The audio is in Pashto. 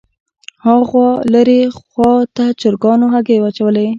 هاغو لرې خوا ته چرګانو هګۍ واچولې